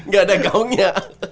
gak ada gaungnya